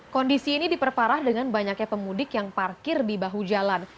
kondisi ini diperparah dengan banyaknya pemudik yang parkir di bahu jalan